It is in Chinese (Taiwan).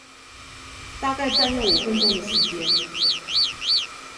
大概占用五分鐘的時間